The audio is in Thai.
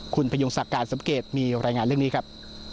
คุณพยุงศักดิ์การสมเกตมีรายงานเรื่องนี้ครับ